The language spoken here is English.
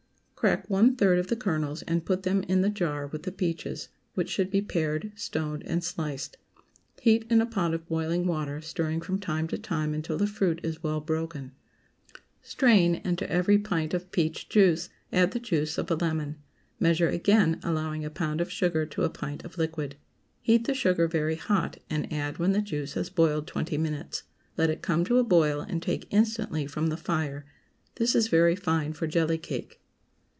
✠ Crack one third of the kernels and put them in the jar with the peaches, which should be pared, stoned, and sliced. Heat in a pot of boiling water, stirring from time to time until the fruit is well broken. Strain, and to every pint of peach juice add the juice of a lemon. Measure again, allowing a pound of sugar to a pint of liquid. Heat the sugar very hot, and add when the juice has boiled twenty minutes. Let it come to a boil, and take instantly from the fire. This is very fine for jelly cake.